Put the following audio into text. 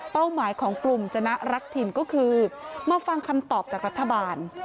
หมายของกลุ่มจนะรักถิ่นก็คือมาฟังคำตอบจากรัฐบาล